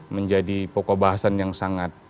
menjadi pokok bahasan yang sangat